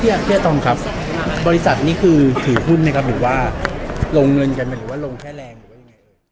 พี่อาตอมครับบริษัทนี่คือถือหุ้นไหมครับหรือว่าลงเงินกันไหมหรือว่าลงแค่แรงหรือว่ายังไง